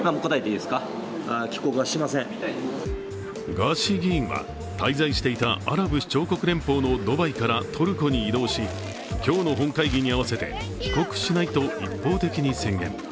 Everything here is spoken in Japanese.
ガーシー議員は滞在していたアラブ首長国連邦のドバイからトルコに移動し、今日の本会議に合わせて帰国しないと一方的に宣言。